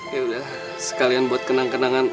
yaudah sekalian buat kenang kenangan